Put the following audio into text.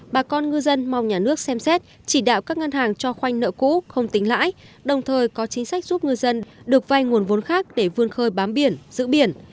bà con ngư dân mong nhà nước xem xét chỉ đạo các ngân hàng cho khoanh nợ cũ không tính lãi đồng thời có chính sách giúp ngư dân được vay nguồn vốn khác để vươn khơi bám biển giữ biển